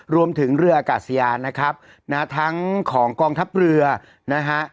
รวมถึงเรืออากาศยานนะครับนะฮะทั้งของกองทัพเรือนะฮะ